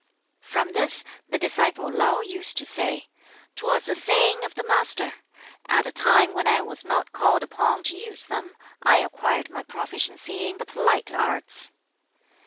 From this, the disciple Lau used to say, "'Twas a saying of the Master: 'At a time when I was not called upon to use them, I acquired my proficiency in the polite arts.'"